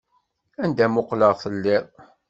Anda muqleɣ telliḍ.